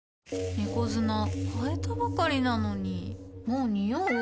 猫砂替えたばかりなのにもうニオう？